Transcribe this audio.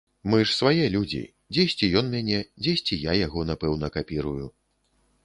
Мы ж свае людзі, дзесьці ён мяне, дзесьці я яго, напэўна, капірую.